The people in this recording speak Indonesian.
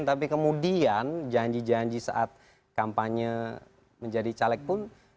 tapi kemudian janji janji saat kampanye menjadi caleg pun